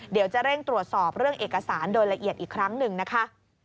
เดี๋ยวจะเร่งตรวจสอบเรื่องเอกสารโดยละเอียดอีกครั้งหนึ่งนะคะ